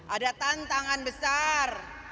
ada tantangan besar